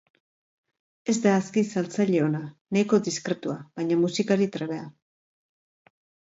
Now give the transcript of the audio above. Ez da aski saltzaile ona, nahiko diskretua, baina musikari trebea.